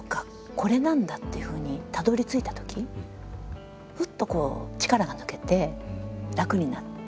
これなんだ」っていうふうにたどりついたときふっとこう力が抜けて楽になって。